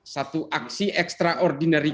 satu aksi extraordinary